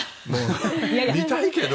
見たいけど。